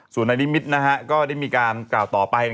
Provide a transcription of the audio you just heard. ส่วนในนิมิตรก็ได้มีการกล่าวต่อไป